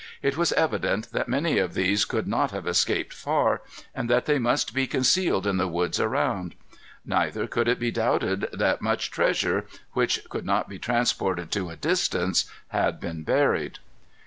It was evident that many of these could not have escaped far, and that they must be concealed in the woods around. Neither could it be doubted that much treasure, which could not be transported to a distance, had been buried.